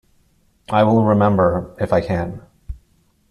I will remember, if I can!